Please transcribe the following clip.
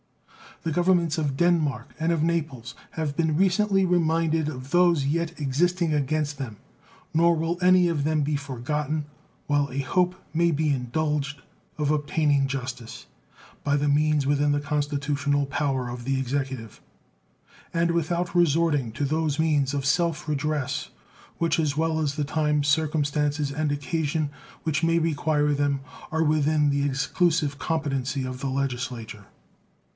The Governments of Denmark and of Naples have been recently reminded of those yet existing against them, nor will any of them be forgotten while a hope may be indulged of obtaining justice by the means within the constitutional power of the Executive, and without resorting to those means of self redress which, as well as the time, circumstances, and occasion which may require them, are within the exclusive competency of the Legislature.